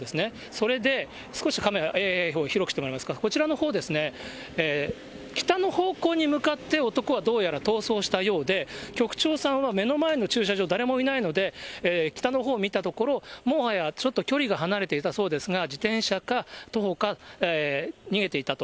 それで、少しカメラ、広くしてもらえますか、こちらのほうですね、北の方向に向かって、男はどうやら逃走したようで、局長さんは目の前の駐車場、誰もいないので、北のほう見たところ、もはやちょっと距離が離れていたそうなんですが、自転車か徒歩か、逃げていったと。